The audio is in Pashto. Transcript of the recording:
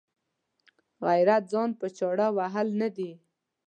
غیرت ځان په چاړه وهل نه دي.